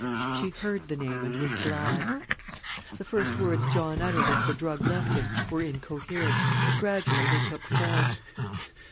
She heard the name, and was glad. The first words John uttered as the drug left him were incoherent; but gradually they took form.